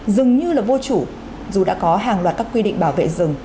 dừng như là vô chủ dù đã có hàng loạt các quy định bảo vệ dừng